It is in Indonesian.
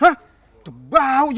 kami benar benar lapar